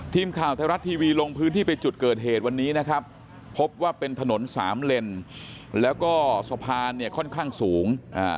ทีมข่าวไทยรัฐทีวีลงพื้นที่ไปจุดเกิดเหตุวันนี้นะครับพบว่าเป็นถนนสามเลนแล้วก็สะพานเนี่ยค่อนข้างสูง